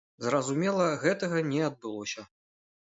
Зразумела, гэтага не адбылося.